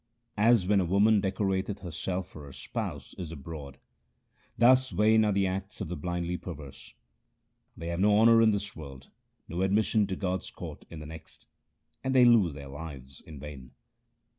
As when a woman decorateth herself for her spouse who is abroad, Thus vain are the acts of the blindly perverse. They have no honour in this world, no admission to God's court in the next, and they lose their lives in vain.